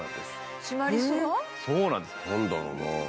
何だろうな？